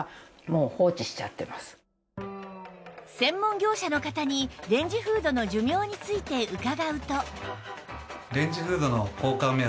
専門業者の方にレンジフードの寿命について伺うと